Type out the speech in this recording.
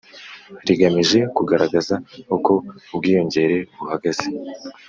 rigamije kugaragaza uko ubwiyongere buhagaze